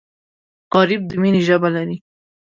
غریب د مینې ژبه لري